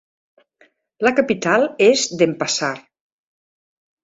La capital és Denpasar.